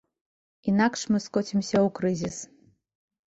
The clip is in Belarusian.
Інакш мы скоцімся ў крызіс.